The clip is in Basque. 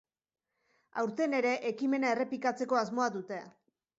Aurten ere ekimena errepikatzeko asmoa dute.